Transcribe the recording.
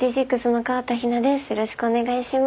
よろしくお願いします。